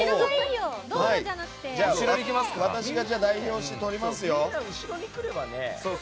私が代表して撮りますよ。